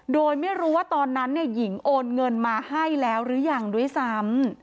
โดยไม่รู้ว่าตอนนั้นหญิงโอนเงินมาให้แล้วหรือยังด้วยซ้ำ